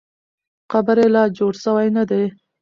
قبر یې لا جوړ سوی نه دی.